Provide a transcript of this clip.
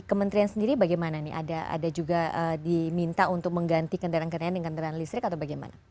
kementerian sendiri bagaimana nih ada juga diminta untuk mengganti kendaraan kendaraan dengan kendaraan listrik atau bagaimana